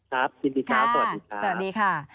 ครับสวัสดีค่ะ